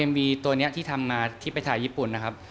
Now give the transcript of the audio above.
วีตัวนี้ที่ทำมาที่ไปถ่ายญี่ปุ่นนะครับ